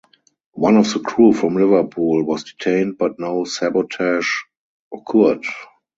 One of the crew from Liverpool was detained but no sabotage occurred.